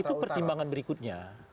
itu pertimbangan berikutnya